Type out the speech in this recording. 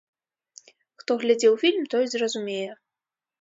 Хто глядзеў фільм, той зразумее.